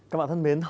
các bạn thân mến